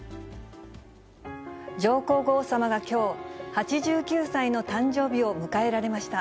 上皇后さまがきょう、８９歳の誕生日を迎えられました。